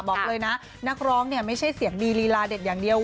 บอกเลยนะนักร้องเนี่ยไม่ใช่เสียงดีลีลาเด็ดอย่างเดียว